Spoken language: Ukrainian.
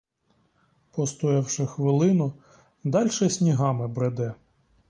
Постоявши хвилину, дальше снігами бреде.